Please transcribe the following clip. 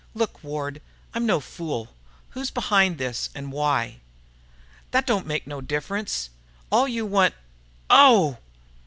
"Look, Ward. I'm no fool. Who's behind this, and why?" "That don't make no difference. All you want ... _ow!